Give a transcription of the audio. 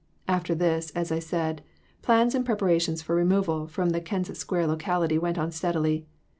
" After this, as I said, plans and preparations for removal from the Kensett Square locality went on steadily.